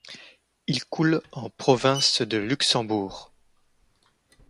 Il coule en province de Luxembourg.